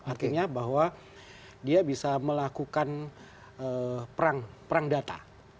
artinya bahwa dia bisa melakukan perang data